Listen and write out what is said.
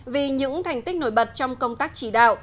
vì những thành tích nổi bật trong công tác chỉ đạo